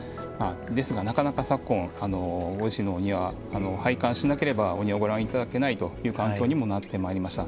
ですが、なかなか昨今ご自身のお庭拝観しなければお庭をご覧いただけないという環境にもなってまいりました。